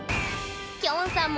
きょんさんも